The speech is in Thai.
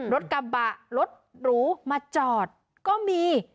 รถกระบะรถหรูมาจอดก็มี